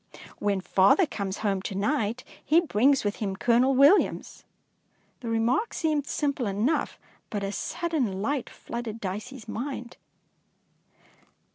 When father comes home to night, he brings with him Colonel Williams.'' The remark seemed simple enough, but a sudden light flooded Dicey's mind.